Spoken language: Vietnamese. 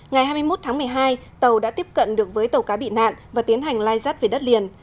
ngày hai mươi một tháng một mươi hai tàu đã tiếp cận được với tàu cá bị nạn và tiến hành lai rắt về đất liền